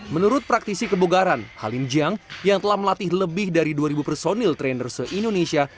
menurut praktisi kebogaran halim jiang yang telah melatih lebih dari dua ribu personil trainer se indonesia